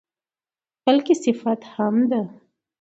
بلکې صفت هم ده.